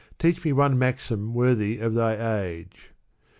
Teach me one maxim worthy of thy age."